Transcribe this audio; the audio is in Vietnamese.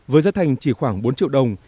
với giá thành chỉ khoảng bốn triệu đồng